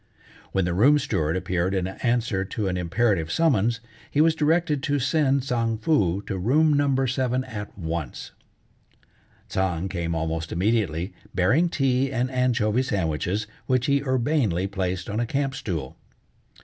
When the room steward appeared in answer to an imperative summons, he was directed to send Tsang Foo to room No. 7 at once. Tsang came almost immediately, bearing tea and anchovy sandwiches, which he urbanely placed on a camp stool.